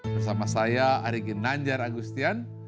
bersama saya arigin nanjar agustian